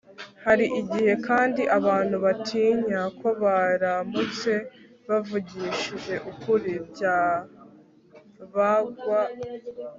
hari igihe kandi abantu batinya ko baramutse bavugishije ukuri byabagwa